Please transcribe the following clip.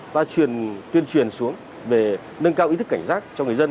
ta tuyên truyền xuống về nâng cao ý thức cảnh giác cho người dân